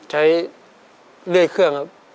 เรื่อยเครื่องครับ